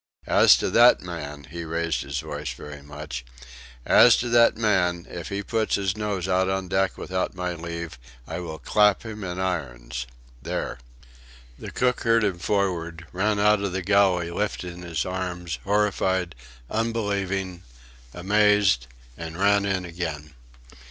"As to that man," he raised his voice very much; "as to that man, if he puts his nose out on deck without my leave I will clap him in irons. There!" The cook heard him forward, ran out of the galley lifting his arms, horrified, unbelieving, amazed, and ran in again.